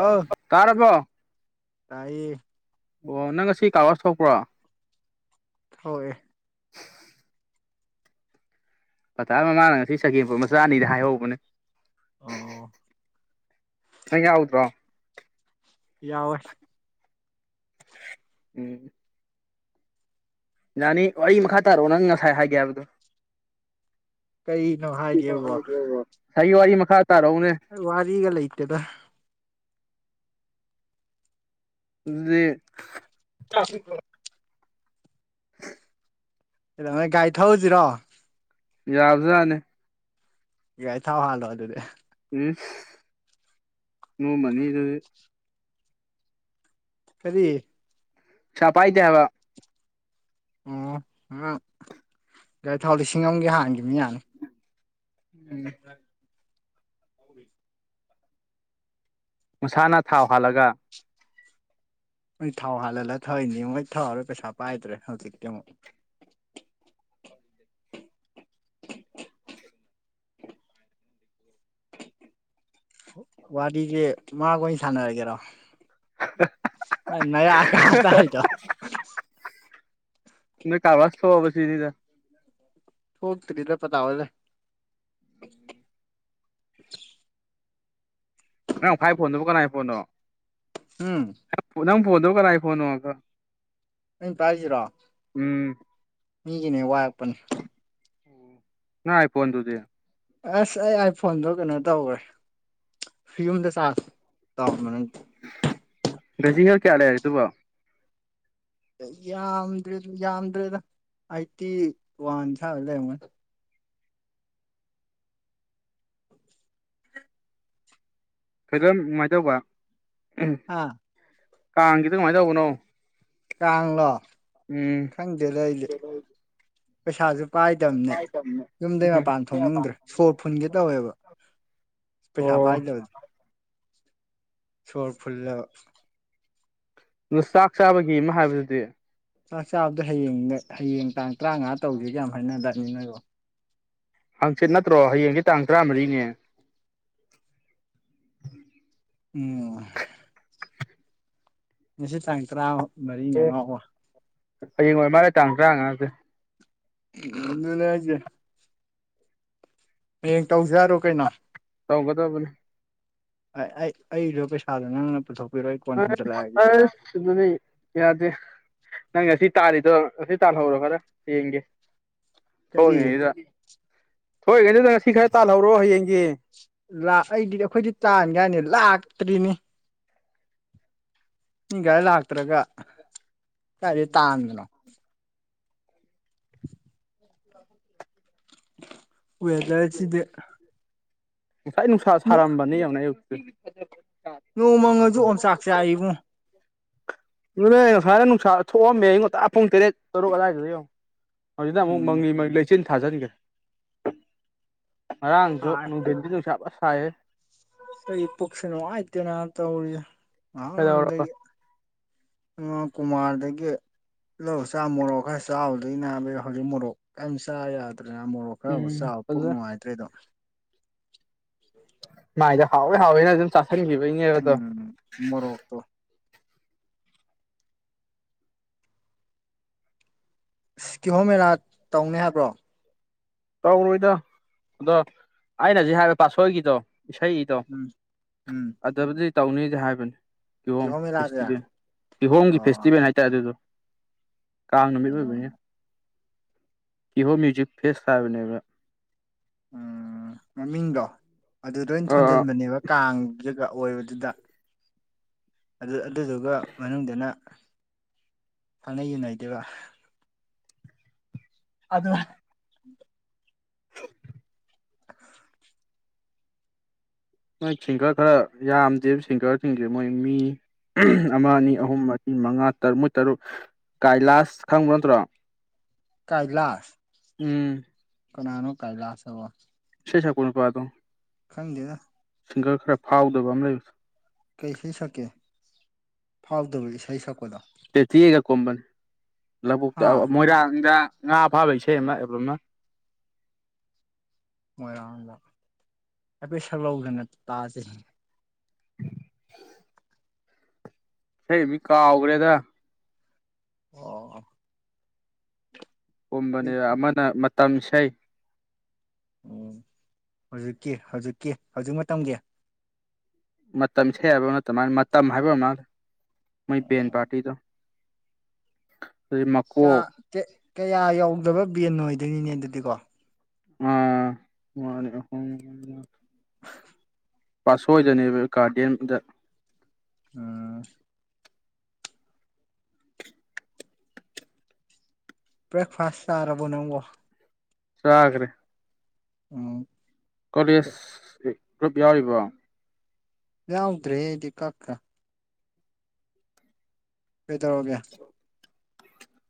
ꯑꯥꯎ ꯇꯥꯔꯕꯣ ꯇꯥꯏꯌꯦ ꯑꯣ ꯅꯪ ꯉꯁꯤ ꯀꯥꯔ ꯋꯥꯁ ꯊꯣꯛꯄ꯭ꯔꯣ ꯊꯣꯛꯑꯦ [inaudible] ꯄꯇꯥ ꯃꯃꯥꯅ ꯉꯁꯤ ꯆꯒꯦꯝꯄꯣꯝꯕ ꯆꯥꯅꯤꯗꯤ ꯍꯥꯏꯍꯧꯕꯅꯦ ꯑꯣ ꯅꯪ ꯌꯥꯎꯗ꯭ꯔꯣ ꯌꯥꯎꯑꯦ ꯎꯝ ꯌꯥꯅꯤ ꯋꯥꯔꯤ ꯃꯈꯥ ꯇꯥꯔꯛꯑꯣ ꯅꯪ ꯉꯁꯥꯏ ꯍꯥꯏꯒꯦ ꯍꯥꯏꯕꯗꯣ ꯀꯩꯅꯣ ꯍꯥꯏꯒꯦꯕꯣ ꯉꯁꯥꯏꯒꯤ ꯋꯥꯔꯤ ꯃꯈꯥ ꯇꯥꯔꯛꯎꯅꯦ ꯋꯥꯔꯤꯒ ꯂꯩꯇꯦꯗ [inaudible] ꯀꯩꯗꯧꯅꯩ ꯒꯔꯤ ꯊꯧꯁꯤꯔꯣ ꯌꯥꯕꯖꯠꯅꯤ ꯒꯥꯔꯤ ꯊꯥꯎ ꯍꯥꯜꯂꯣ ꯑꯗꯨꯗꯤ ꯏꯁ ꯅꯣ ꯃꯅꯤ ꯑꯗꯨꯗꯤ ꯀꯔꯤ ꯄꯩꯁꯥ ꯄꯥꯏꯗꯦ ꯍꯥꯏꯕ ꯑꯣ ꯅꯪ ꯒꯥꯔꯤ ꯊꯥꯎ ꯂꯤꯁꯤꯡ ꯑꯃꯒꯤ ꯍꯥꯟꯒꯤꯕꯅꯤ ꯌꯥꯅꯤ ꯎꯝ [inaudible] ꯃꯁꯥꯅ ꯊꯥꯎ ꯍꯥꯜꯂꯒ ꯍꯣꯏ ꯊꯥꯎ ꯍꯥꯜꯍꯜꯂ ꯊꯧꯏꯅꯤ ꯊꯧꯑꯔꯣꯏ ꯄꯩꯁꯥ ꯄꯥꯏꯗ꯭ꯔꯦ ꯍꯧꯖꯤꯛꯇꯤ ꯑꯃꯨꯛ [inaudible] ꯋꯥꯔꯤꯁꯦ ꯃꯥꯒꯑꯣꯏꯅ ꯁꯥꯟꯅꯔꯒꯦꯔꯣ ꯅꯪ ꯅꯌꯥ ꯀꯥꯗ ꯍꯥꯏꯗꯣ [inaudible] ꯅꯣꯏ ꯀꯥꯔ ꯋꯥꯁ ꯊꯣꯛꯑꯕ ꯁꯤꯅꯤꯗ ꯊꯣꯛꯇꯔꯤꯗ ꯄꯇꯥꯝ ꯍꯣꯏꯂꯩ ꯅꯪ ꯄꯥꯏ ꯐꯣꯟꯗꯨꯕꯨ ꯀꯅꯥꯥꯏ ꯐꯣꯟꯅꯣ ꯎꯝ ꯅꯪ ꯅꯪ ꯐꯣꯟꯗꯣ ꯀꯅꯥꯏ ꯐꯣꯟꯅꯣꯑꯒ ꯑꯩꯅ ꯄꯥꯏꯁꯤꯔꯣ ꯎꯝ ꯃꯤꯒꯤꯅꯦ ꯋꯥꯏꯔꯛꯄꯅꯦ ꯅꯪ ꯑꯥꯏ ꯐꯣꯟꯗꯨꯗꯤ ꯑꯁ ꯑꯩ ꯑꯥꯏ ꯐꯣꯟꯗꯣ ꯀꯩꯅꯣ ꯇꯧꯈ꯭ꯔꯦ ꯌꯨꯝꯗ ꯆꯥꯔꯖ ꯇꯧꯔꯝꯕꯅꯦ ꯕꯦꯇꯔꯤ ꯍꯦꯜꯠ ꯀꯌꯥ ꯂꯩꯔꯤ ꯑꯗꯨꯕꯨ ꯌꯥꯝꯗ꯭ꯔꯦꯗ ꯌꯥꯝꯗ꯭ꯔꯦꯗ ꯑꯥꯏꯠꯇꯤ ꯋꯥꯟ ꯁꯥꯏꯋꯥꯏꯗ ꯂꯩꯔꯝꯒꯅꯤ [inaudible] ꯑꯥ ꯀꯥꯡꯒꯤꯗꯣ ꯀꯃꯥꯏꯅ ꯇꯧꯕꯅꯣ ꯀꯥꯡꯂꯣ ꯎꯝ ꯈꯪꯗꯦꯗ ꯑꯩꯗꯤ ꯄꯩꯁꯥꯁꯨ ꯄꯥꯏꯗꯕꯅꯦ ꯌꯨꯝꯗꯩ ꯃꯄꯥꯟ ꯊꯣꯛꯅꯤꯡꯗ꯭ꯔꯦ ꯁꯣꯔ ꯐꯨꯟꯒꯦ ꯇꯧꯋꯦꯕ ꯄꯩꯁꯥ ꯑꯣ ꯄꯥꯏꯗꯕ ꯆꯣꯔ ꯐꯨꯂꯕ ꯑꯗꯨ ꯆꯥꯛ ꯆꯥꯕꯒꯤ ꯑꯃ ꯍꯥꯏꯕꯗꯨꯗꯤ ꯆꯥꯛ ꯆꯥꯕꯗꯣ ꯍꯌꯦꯡ ꯍꯌꯦꯡ ꯇꯥꯡ ꯇꯔꯥꯃꯉꯥ ꯇꯧꯁꯦꯒꯥꯏ ꯌꯥꯝ ꯍꯥꯏꯅꯗꯥꯏꯅꯦ ꯅꯣꯏꯕꯨ ꯍꯪꯆꯤꯠ ꯅꯠꯇ꯭ꯔꯣ ꯍꯌꯦꯡꯁꯦ ꯇꯥꯡ ꯇꯔꯥꯃꯔꯤꯅꯦ ꯎꯝ ꯉꯁꯤ ꯇꯥꯡ ꯇꯔꯥ ꯃꯔꯤꯅ ꯑꯉꯥꯎꯋꯥ ꯍꯌꯦꯡ ꯑꯣꯏꯔ ꯃꯥꯜꯂꯦ ꯇꯥꯡ ꯇꯔꯥꯉꯥꯁꯦ ꯏ ꯂ ꯌꯥꯖꯦ ꯍꯌꯦꯡ ꯇꯧꯁꯦ ꯍꯥꯏꯔꯣ ꯀꯩꯅꯣ ꯇꯧꯒꯗꯕꯅꯦ ꯑꯩ ꯑꯩꯁꯨ ꯄꯩꯁꯥꯗꯣ ꯅꯪꯅ ꯄꯨꯊꯣꯛ ꯑꯁ ꯑꯁ ꯑꯗꯨꯗꯤ ꯌꯥꯗꯦ ꯅꯪ ꯉꯁꯤ ꯇꯥꯔꯤꯗꯣ ꯉꯁꯤ ꯇꯥꯜꯍꯧꯔꯣ ꯈꯔ ꯍꯌꯦꯡꯒꯦ ꯀꯔꯤ ꯊꯣꯡꯉꯤꯉꯩꯁꯤꯗ ꯊꯣꯛꯏꯉꯩꯗꯨꯗ ꯉꯁꯤ ꯈꯔ ꯇꯥꯜꯍꯧꯔꯣ ꯍꯌꯦꯡꯒꯥ ꯂꯥ ꯑꯩꯗꯤꯗꯤ ꯑꯩꯈꯣꯏꯗꯤ ꯇꯥꯟꯒꯦ ꯍꯥꯏꯅꯤ ꯂꯥꯛꯇ꯭ꯔꯤꯅꯤ ꯃꯤ ꯒꯥꯏ ꯂꯥꯛꯇ꯭ꯔꯒ ꯀꯗꯥꯏꯗꯩ ꯇꯥꯟꯕꯅꯣ [inaudible] [inaudible] ꯋꯦꯗꯔ ꯉꯁꯥꯏ ꯅꯨꯡꯁꯥ ꯁꯥꯔꯝꯕꯅꯤ ꯌꯦꯡꯉꯨꯅꯦ ꯑꯌꯨꯛꯇ ꯅꯣꯡꯃꯪꯉꯁꯨ ꯑꯣꯝꯆꯥꯛ ꯆꯥꯛꯏꯕꯨꯡ ꯑꯗꯨꯅꯦ ꯉꯁꯥꯏꯅ ꯅꯨꯡꯁꯥ ꯊꯣꯛꯑꯝꯃꯦ ꯑꯌꯨꯛ ꯉꯟꯇꯥ ꯄꯨꯡ ꯇꯔꯦꯠ ꯇꯔꯨꯛ ꯑꯗꯨꯋꯥꯏꯗꯨꯗ ꯌꯦꯡꯉꯣ ꯍꯧꯖꯤꯛꯅ ꯑꯃꯨꯛ ꯎꯝ ꯃꯪꯂꯤ ꯃꯪ ꯂꯩꯆꯤꯟ ꯊꯥꯖꯤꯟꯈ꯭ꯔꯦ ꯉꯔꯥꯡꯁꯨ ꯁꯥꯏ ꯅꯨꯡꯊꯤꯟꯗꯤ ꯅꯨꯡꯁꯥ ꯐ ꯁꯥꯏꯍꯦ ꯑꯩ ꯄꯨꯛꯁꯤ ꯅꯨꯡꯉꯥꯏꯇꯦꯅꯥ ꯇꯧꯔꯤꯁꯦ [unintelligible] ꯀꯩꯗꯧꯔꯕ ꯗꯒꯤ ꯀꯨꯃꯥꯔꯗꯒꯤ ꯂꯧꯔ ꯆꯥ ꯃꯣꯔꯣꯛ ꯈꯔ ꯆꯥꯎꯕꯗꯒꯤ ꯅꯥꯕ ꯍꯧꯖꯤꯛ ꯃꯣꯔꯣꯛ ꯀꯔꯤꯝ ꯆꯥ ꯌꯥꯗ꯭ꯔꯦꯅ ꯃꯣꯔꯣꯛ ꯈꯔꯕꯨ ꯎꯝ ꯆꯥꯕ ꯄꯨꯛ ꯑꯗꯨꯗ ꯅꯨꯡꯉꯥꯏꯇ꯭ꯔꯦꯗꯣ [inaudible] ꯃꯥꯥꯏꯗ ꯍꯥꯎꯋꯦ ꯍꯥꯎꯋꯦꯅ ꯑꯗꯨ ꯆꯥꯁꯟꯈꯤꯕꯩꯅꯦ ꯎꯝ ꯃꯔꯣꯛꯇꯣ ꯀꯤꯍꯣꯝ ꯃꯦꯂꯥ ꯇꯧꯅꯤ ꯍꯥꯏꯕ꯭ꯔꯣ ꯇꯧꯔꯣꯏꯗ ꯑꯗꯣ ꯑꯩꯅ ꯍꯧꯖꯤꯛ ꯍꯥꯏꯕ ꯄꯥꯠꯁꯣꯏꯒꯤꯗꯣ ꯏꯁꯩ ꯗꯣ ꯎꯝ ꯎꯝ ꯑꯗꯨꯗꯕꯨꯗꯤ ꯇꯧꯅꯤꯗꯤ ꯍꯥꯏꯕꯅꯤ ꯀꯤꯍꯣꯝ ꯃꯦꯂꯥꯁꯦ ꯑꯣ ꯐꯦꯁꯇꯤꯚꯦꯜ ꯀꯤꯍꯣꯝꯒꯤ ꯐꯦꯁ ꯐꯁꯇꯤꯚꯦꯜ ꯍꯥꯏꯇꯥꯔꯦ ꯑꯗꯨꯗꯣ ꯀꯥꯡ ꯅꯨꯃꯤꯠ ꯑꯣꯏꯕꯅꯤꯅ ꯀꯤꯍꯣꯝ ꯃ꯭ꯌꯨꯖꯤꯛ ꯐꯦꯁ ꯍꯥꯏꯕꯅꯦꯕ ꯎꯝ ꯃꯃꯤꯡꯗꯣ ꯑꯗꯨꯗ ꯑꯣꯏ ꯊꯣꯟꯖꯟꯕꯅꯦꯕ ꯀꯥꯡꯖꯒ ꯑꯣꯏꯕꯗꯨꯗ ꯑꯗꯨ ꯑꯗꯨꯗꯨꯒ ꯃꯅꯨꯡꯗꯅ ꯈꯪꯅꯩ ꯌꯨꯅꯩꯗꯨꯏꯕ ꯑꯗꯨ ꯃꯣꯏ ꯁꯤꯡꯒꯔ ꯈꯔ ꯌꯥꯝꯗꯦ ꯁꯤꯡꯒꯔꯁꯤꯡꯁꯦ ꯃꯣꯏ ꯃꯤ ꯑꯃ ꯑꯅꯤ ꯎꯝ ꯑꯍꯨꯝ ꯃ ꯃꯤ ꯃꯉꯥ ꯇꯔꯨꯛꯃꯣꯏ ꯇꯔꯨꯛ ꯀꯥꯏꯂꯥꯁ ꯈꯪꯕ ꯅꯠꯇ꯭ꯔꯣ ꯀꯥꯏꯂꯥꯁ ꯎꯝ ꯀꯅꯥꯅꯣ ꯀꯥꯏꯂꯥꯁ ꯑꯕꯣ ꯏꯁꯩ ꯁꯛꯄ ꯅꯨꯄꯥꯗꯣ ꯈꯪꯗꯦꯗ ꯁꯤꯡꯒꯔ ꯈꯔ ꯐꯥꯎꯗꯕ ꯑꯃ ꯂꯩꯕ ꯀꯩ ꯏꯁꯩ ꯁꯛꯀꯦ ꯐꯥꯎꯗꯕ ꯏꯁꯩ ꯁꯛꯄꯗꯣ ꯇꯦꯇꯦꯒ ꯀꯨꯝꯕꯅꯤ ꯂꯧꯕꯨꯛꯇ ꯍꯥ ꯃꯣꯏꯔꯥꯡꯗ ꯉꯥ ꯐꯥꯕꯩ ꯏꯁꯩ ꯑꯃ ꯑꯦꯜꯕꯝ ꯃ ꯃꯣꯏꯔꯥꯡꯗ ꯍꯥꯏꯐꯦꯠ ꯁꯛꯂꯛꯎꯗꯅ ꯇꯥꯁꯦ [inaudible] ꯏꯁꯩ ꯃꯤ ꯀꯥꯥꯎꯒ꯭ꯔꯦꯗ ꯑꯣꯑꯣ ꯀꯨꯝꯕꯅꯦ ꯑꯃꯅ ꯃꯇꯝ ꯏꯁꯩ ꯎꯝ ꯍꯧꯖꯤꯛꯀꯤ ꯍꯧꯖꯤꯛꯀꯤ ꯍꯧꯖꯤꯛ ꯃꯇꯝꯒꯤ ꯃꯇꯝ ꯏꯁꯩ ꯍꯥꯏꯕ ꯅꯠꯇ ꯃꯥꯟꯅꯦ ꯃꯇꯝ ꯍꯥꯏꯕ ꯑꯣꯏꯔ ꯃꯥꯜꯂꯦ ꯃꯣꯏ ꯕꯦꯟ ꯄꯥꯔꯇꯤꯗꯣ ꯑꯗꯩ ꯆꯥ ꯃꯀꯣꯛ ꯀ ꯀꯌꯥ ꯌꯧꯗꯕ ꯕꯦꯟ ꯑꯣꯏꯗꯣꯏꯅꯤꯅꯦ ꯑꯗꯨꯗꯤ ꯀꯣ ꯑꯥꯥ ꯃꯥꯅꯤ ꯑꯍꯣꯡꯕ [unintelligible] ꯄꯥꯠꯁꯣꯏꯗꯅꯦꯕ ꯒꯥꯔꯗꯦꯟꯗ ꯎꯝ ꯕ꯭ꯔꯦꯛꯐꯥꯁ ꯆꯥꯔꯕꯣ ꯅꯪꯕꯣ ꯆꯥꯒ꯭ꯔꯦ ꯎꯝ ꯀꯣꯂꯦꯖ ꯒ꯭ꯔꯨꯞ ꯌꯥꯎꯔꯤꯕꯣ ꯌꯥꯎꯗ꯭ꯔꯦ ꯑꯩꯗꯤ ꯀꯛꯈꯔꯦ ꯀꯩꯗꯧꯔꯒꯦ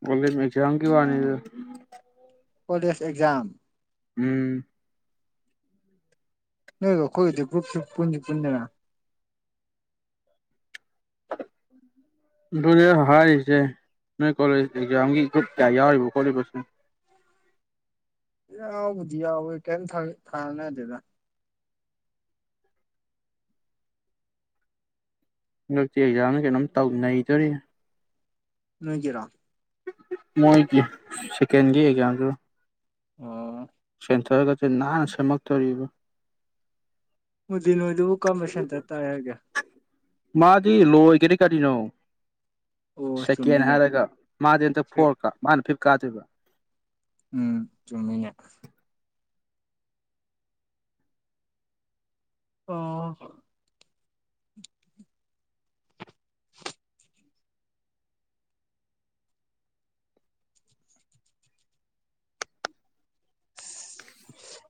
ꯑꯣ ꯃꯤꯠ ꯑꯦꯛꯖꯥꯝꯒꯤ ꯋꯥꯅꯤꯗ ꯀꯣꯂꯦꯖ ꯑꯦꯛꯖꯥꯝ ꯎꯝ ꯅꯣꯏꯒ ꯑꯩꯈꯣꯏꯒꯗꯤ ꯒ꯭ꯔꯨꯞꯁꯨ ꯄꯨꯟꯗꯤ ꯄꯨꯟꯗꯅ ꯑꯗꯨꯅꯦ ꯑꯩꯅ ꯍꯥꯏꯔꯤꯖꯦ ꯅꯣꯏ ꯀꯣꯂꯦꯖ ꯑꯦꯛꯖꯥꯝꯒꯤ ꯒ꯭ꯔꯨꯞ ꯀꯌꯥ ꯌꯥꯎꯔꯤꯕ ꯈꯣꯠꯂꯤꯕ ꯁꯨꯝ ꯌꯥꯎꯕꯨꯗꯤ ꯌꯥꯎꯌꯦ ꯀꯩꯝ ꯊꯥ ꯀꯥꯅꯗꯦꯗ ꯍꯟꯗꯛꯇꯤ ꯑꯦꯛꯖꯥꯝꯗ ꯀꯩꯅꯣꯝ ꯇꯧ ꯅꯩꯗꯣꯔꯤ ꯅꯣꯏꯒꯤꯔꯣ ꯃꯣꯏꯒꯤ ꯁꯦꯀꯦꯟꯒꯤ ꯎꯝ ꯑꯦꯛꯖꯥꯝꯖꯨ ꯑꯣ ꯁꯦꯟꯇꯔꯒꯗꯤ ꯅꯥꯟꯅ ꯁꯦꯝꯃꯛꯇꯣꯔꯤꯕ [unintelligible] ꯅꯣꯏꯗꯨꯕꯨ ꯀꯔꯝꯕ ꯁꯦꯟꯇꯔ ꯇꯥꯏ ꯍꯥꯏꯒꯦ ꯃꯥꯗꯤ ꯂꯣꯏꯒ꯭ꯔꯦ ꯀꯔꯤꯅꯣ ꯑꯣ ꯁꯦꯀꯦꯟ ꯆꯨꯝꯃꯤꯅꯦ ꯍꯥꯏꯔꯒ ꯃꯥꯗꯤ ꯍꯟꯇꯛ ꯐꯣꯔ ꯀꯥ ꯃꯥꯅ ꯐꯤꯞ ꯀꯥꯗꯣꯏꯕ ꯎꯝ ꯆꯨꯝꯃꯤꯅꯦ ꯑꯣ [unintelligible]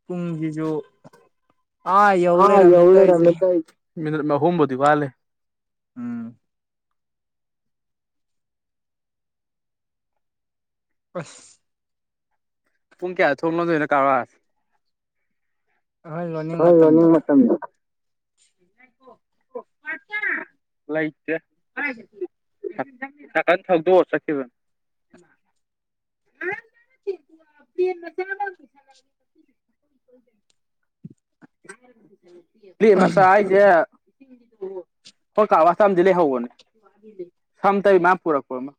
ꯄꯨꯡꯖꯤꯖꯨ ꯑꯥ ꯌꯧ ꯂꯩꯔꯝꯃꯦ ꯇꯧꯏꯖꯦ ꯃꯤꯅꯠ ꯑꯍꯨꯝꯕꯨꯗꯤ ꯋꯥꯠꯂꯤ ꯎꯝ ꯑꯁ ꯄꯨꯡ ꯀꯌꯥꯗ ꯊꯣꯡ ꯂꯣꯟꯗꯨꯏꯅꯣ ꯀꯥ ꯑꯩꯈꯣꯏ ꯂꯣꯟꯅꯤꯡ [unintelligible] ꯂꯣꯟꯅꯤꯡꯕ ꯃꯇꯝꯗ [unintelligible] [unintelligible] ꯂꯩꯇꯦ ꯁꯥ ꯁꯥꯏꯀꯜ ꯊꯧꯗꯣꯛꯑ ꯆꯠꯈꯤꯕꯅ [unintelligible] [inaudible] [unintelligible] ꯃꯆꯥ ꯍꯥꯏꯖꯦ ꯑꯩꯈꯣꯏ ꯀꯥꯔ ꯋꯥꯁꯇ ꯑꯃꯗꯤ ꯂꯩꯍꯧꯕꯅꯦ [unintelligible] ꯄꯨꯔꯛꯄ ꯑꯃ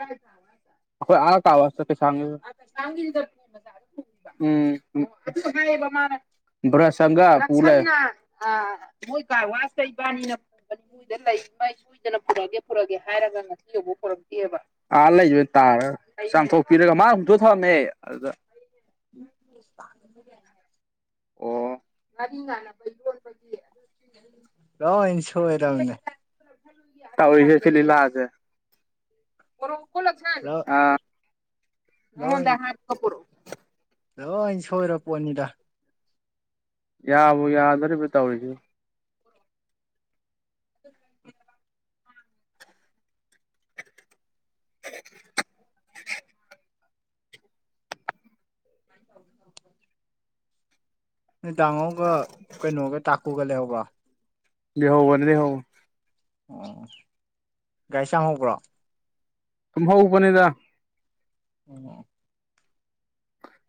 ꯑꯩꯈꯣꯏ ꯑ ꯀꯥꯔ ꯋꯥꯁꯇ [unintelligible] ꯎꯝ [unintelligible] ꯕꯔꯁ ꯑꯃꯒ ꯄꯨꯔ ꯂꯛꯑꯦ [unintelligible] ꯃꯣꯏ ꯀꯥꯔ ꯋꯥꯁꯇ ꯏꯕꯅꯤꯅ [unintelligible] ꯅꯪꯅꯥ ꯄꯨꯔꯛꯑꯀꯦ ꯄꯨꯔꯛꯑꯀꯦ ꯍꯥꯏꯔꯒ ꯉꯁꯤ ꯐꯥꯎꯕ ꯄꯨꯔꯛꯇꯦꯕ ꯑ ꯂꯩꯕꯅꯤ ꯇꯥꯔꯒ ꯆꯥꯝꯊꯣꯛꯄꯤꯔꯒ ꯃꯥ ꯍꯨꯟꯇꯣꯛꯑ ꯊꯝꯃꯝꯃꯦ ꯑꯗꯨꯗ [unintelligible] ꯑꯣ ꯉꯥꯔꯤ ꯉꯥꯟꯅꯕ [unintelligible] ꯂꯣꯏꯟ ꯁꯣꯏꯔꯝꯅꯤ [inaudible] ꯇꯧꯋꯤ ꯁꯦꯂꯤꯂꯁꯦ [unintelligible] ꯂꯣꯏ ꯂꯣꯏ ꯁꯣꯏꯔ ꯄꯣꯠꯅꯤꯗ ꯌꯥꯕꯨ ꯌꯥꯗꯣꯔꯤꯕ ꯇꯧꯔꯤꯁꯤꯕꯨ [inaudible] ꯅꫭꯏ ꯗꯥꯡꯉꫭꯒ ꯀꯩꯅꯣꯒ ꯇꯥꯀꯨꯒ ꯂꯩꯍꯧꯕ꯭ꯔꯣ ꯂꯩꯍꯧꯕꯅꯦ ꯂꯩꯍꯧ ꯑ ꯒꯥꯔꯤ ꯆꯥꯝꯍꯧꯕ꯭ꯔꯣ ꯇꯨꯝ ꯍꯧꯕꯅꯤꯗ ꯑꯣ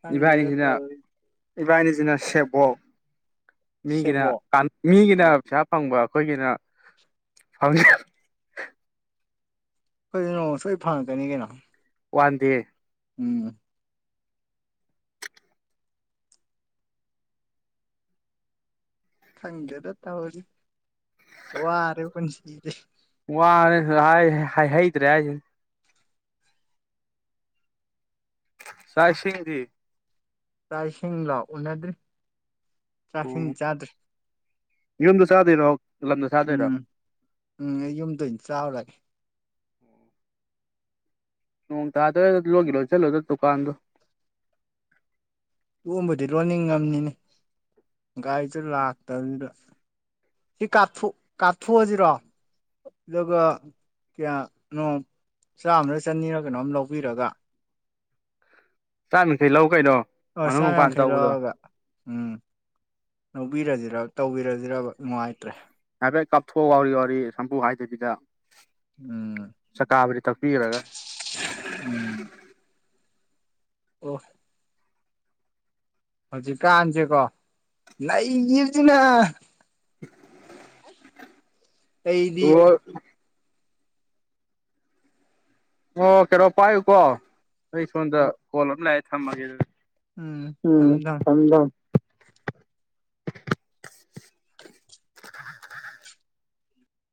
ꯈꯪꯗꯦꯗ ꯏꯕꯥꯅꯤꯁꯤꯅ ꯇꯧꯔꯤꯁꯦ ꯏꯕꯥꯅꯤꯁꯤꯅ ꯁꯦꯕꯣꯛ ꯃꯤꯒꯤꯅ ꯁꯦꯕꯣ ꯃꯤꯒꯤꯅ ꯄꯩꯁꯥ ꯐꯪꯕ ꯑꯩꯈꯣꯏꯒꯤꯅ ꯐꯪ ꯑꯩꯈꯣꯏꯖꯨ ꯅꯣꯡꯃ ꯁꯣꯏ ꯐꯪꯉꯛꯀꯅꯤ ꯀꯩꯅꯣ ꯋꯥꯟ ꯗꯦ ꯎꯝ ꯈꯪꯗꯦꯗ ꯇꯧꯔꯤꯁꯦ ꯋꯥꯔꯦ ꯄꯨꯟꯁꯤꯁꯦ ꯋꯥꯔꯦ ꯁꯤꯗꯍꯥꯏ ꯍꯥꯏꯍꯩꯗ꯭ꯔꯦ ꯍꯥꯏꯁꯤꯅꯤ ꯆꯥꯛ ꯏꯁꯤꯡꯗꯤ ꯆꯥꯛ ꯏꯁꯤꯡꯂꯣ ꯎꯅꯗ꯭ꯔꯤ ꯆꯥꯛꯏꯁꯤꯡ ꯎꯝ ꯆꯥꯗ꯭ꯔꯤ ꯌꯨꯝꯗ ꯆꯥꯗꯣꯏꯔꯣ ꯂꯝꯗ ꯆꯥꯗꯣꯏꯔꯣ ꯎꯝ ꯎꯝ ꯑꯩ ꯌꯨꯝꯗ ꯑꯣꯏꯅ ꯆꯥꯎꯔꯒꯦ ꯅꯣꯡꯇꯥꯗꫭꯔꯦꯗ ꯂꫭꯟꯒꯦ ꯂꫭꯟꯖꯜꯂꫭꯗ ꯇꯨꯀꯥꯟꯗꯨ ꯂꯣꯟꯕꯨꯗꯤ ꯂꯣꯟꯅꯤꯡ ꯉꯝꯃꯤꯅꯦ ꯒꯥꯔꯤꯁꯦ ꯂꯥꯛꯇꯕꯗꯨꯗ ꯍꯦꯛ ꯀꯥꯞꯊꯣꯛ ꯀꯥꯞꯊꯣꯛꯑꯖꯤꯔꯣ ꯑꯗꯨꯒ ꯀꯌꯥꯅꯣ ꯆꯥꯝꯃꯔ ꯆꯅꯤꯔ ꯀꯩꯅꯣꯝ ꯂꯧꯕꯤꯔꯒ ꯆꯥꯝ ꯌꯥꯡꯈꯩ ꯂꯧ ꯀꯩꯅꯣ ꯑꫭ ꯃꯅꯨꯡ ꯃꯄꯥꯟ ꯆꯥꯝꯌꯥꯥꯡꯈꯩ ꯇꯧꯕꯗꯣ ꯂꯧꯔꯕ ꯎꯝ ꯂꯧꯕꯤꯔꯖꯤꯔ ꯇꯧꯕꯤꯔꯖꯤꯔꯕ ꯅꯨꯡꯉꯥꯏꯇ꯭ꯔꯦ ꯍꯥꯏꯐꯦꯠ ꯀꯥꯞꯊꯣꯛꯑꫭ ꯋꯥꯎꯔꯤ ꯋꯥꯎꯔꯤ ꯁꯝꯄꯨ ꯍꯥꯏꯗꯕꯤꯗ ꯎꯝ ꯆꯀꯥꯕꯨꯗꯤ ꯇꯛꯄꯤꯔꯒ ꯎꯝ [unintelligible] ꯑꯣ ꯍꯧꯖꯤꯛꯀꯥꯟꯖꯦꯀꯣ ꯂꯩꯒꯤꯕꯁꯤꯅ [inaudible] ꯑꯩꯗꯤ ꯑꯣ ꯀꯩꯅꯣ ꯄꯥꯏꯌꯨꯀꯣ ꯑꯩ ꯁꯣꯝꯗ ꯑꯣ ꯀꯣꯜ ꯑꯃ ꯂꯥꯛꯑꯦ ꯊꯝꯃꯒꯦ ꯑꯗꯨꯗꯤ ꯎꯝ ꯊꯝꯃꫭ ꯊꯝꯃꫭ ꯍꯜꯂꫭ [inaudible]